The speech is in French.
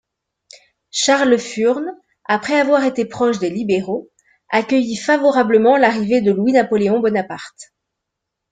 Charles Furne, après avoir été proche des libéraux, accueillit favorablement l'arrivée de Louis-Napoléon Bonaparte.